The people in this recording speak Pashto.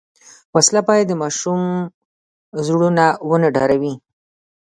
وسله باید د ماشوم زړونه ونه ډاروي